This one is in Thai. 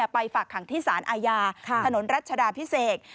ฝากขังที่สารอาญาถนนรัชดาพิเศษ